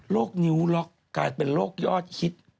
นิ้วล็อกกลายเป็นโรคยอดฮิต